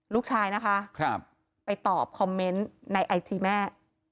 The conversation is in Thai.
ลูกชายนะคะไปตอบคอมเมนต์ในไอจีแม่